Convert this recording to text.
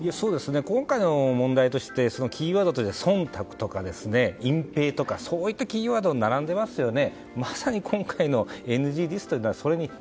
今回の問題としてキーワードは忖度とか、隠蔽とかそういったキーワードが所長「特茶」ってちょっと高いですよね